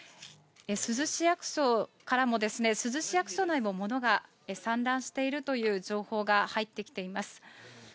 珠洲市役所からも、珠洲市役所内も物が散乱しているという情報が入ってきています。